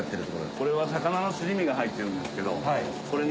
これは魚のすり身が入ってるんですけどこれに。